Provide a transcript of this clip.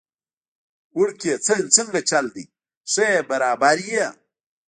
وړکیه څنګه چل دی، ښه يي برابر يي؟